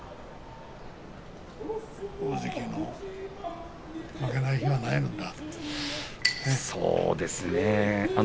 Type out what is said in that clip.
大関の負けない日はないんですね。